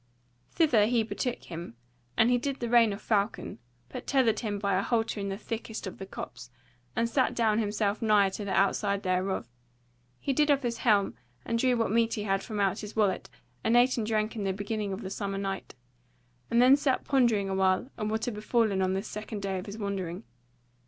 Thither he betook him, and he did the rein off Falcon, but tethered him by a halter in the thickest of the copse, and sat down himself nigher to the outside thereof; he did off his helm and drew what meat he had from out his wallet and ate and drank in the beginning of the summer night; and then sat pondering awhile on what had befallen on this second day of his wandering.